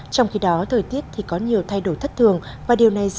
trong khi đó thời tiết có nhiều thay đổi thất thường